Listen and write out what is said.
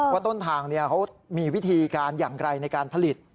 ว่าต้นทางเขามีวิธีการอย่างไรในการผลิต